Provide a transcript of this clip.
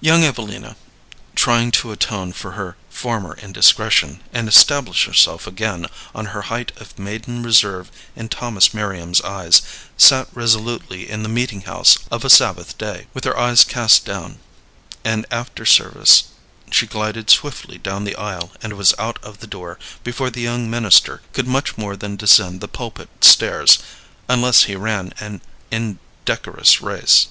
Young Evelina, trying to atone for her former indiscretion and establish herself again on her height of maiden reserve in Thomas Merriam's eyes, sat resolutely in the meeting house of a Sabbath day, with her eyes cast down, and after service she glided swiftly down the aisle and was out of the door before the young minister could much more than descend the pulpit stairs, unless he ran an indecorous race.